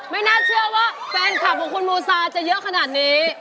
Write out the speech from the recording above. ไม่น่าเชื่อว่าแฟนคลับของคุณมูซาจะเยอะขนาดนี้